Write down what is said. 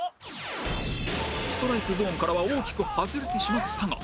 ストライクゾーンからは大きく外れてしまったが